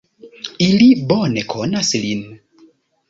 Ili bone konas lin.